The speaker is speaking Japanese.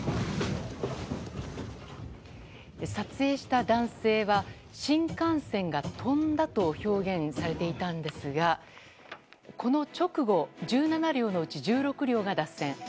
撮影した男性は新幹線が飛んだと表現されていたんですがこの直後１７両のうち１６両が脱線。